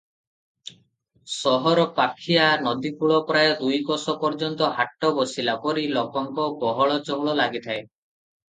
ସହରପାଖିଆ ନଦୀକୂଳ ପ୍ରାୟ ଦୁଇ କୋଶ ପର୍ଯ୍ୟନ୍ତ ହାଟ ବସିଲା ପରି ଲୋକଙ୍କ ଗହଳ ଚହଳ ଲାଗିଥାଏ ।